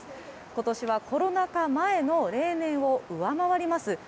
今年はコロナ禍前の例年を上回ります